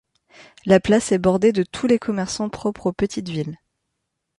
La place est bordée de tous les commerçants propres aux petites villes.